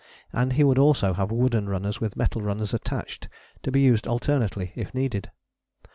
And he would also have wooden runners with metal runners attached, to be used alternately, if needed.